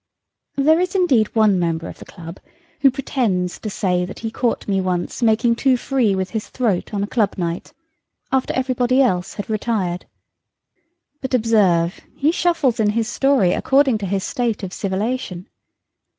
There is indeed one member of the club, who pretends to say that he caught me once making too free with his throat on a club night, after every body else had retired. But, observe, he shuffles in his story according to his state of civilation.